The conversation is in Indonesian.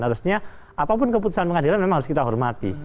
harusnya apapun keputusan pengadilan memang harus kita hormati